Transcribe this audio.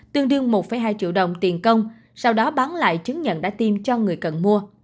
tương đương một hai triệu đồng tiền công sau đó bán lại chứng nhận đã tiêm cho người cần mua